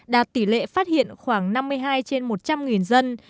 đạt tỷ lệ phát hiện khoảng năm mươi hai trên một